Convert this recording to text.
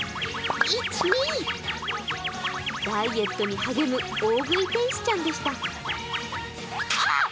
ダイエットに励む大食い天使ちゃんでした。